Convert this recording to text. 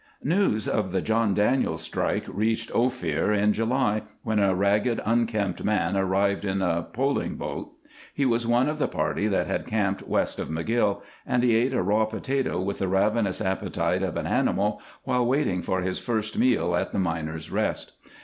II News of the John Daniels strike reached Ophir in July, when a ragged, unkempt man arrived in a poling boat. He was one of the party that had camped west of McGill, and he ate a raw potato with the ravenous appetite of an animal while waiting for his first meal at the Miner's Rest.